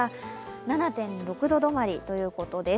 ７．６度止まりということです。